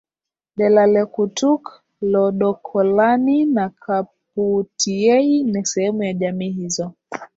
Dalalekutuk Loodokolani na Kaputiei ni sehemu ya jamii hizo